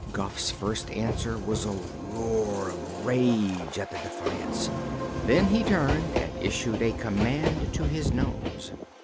Guph's first answer was a roar of rage at the defiance; then he turned and issued a command to his nomes.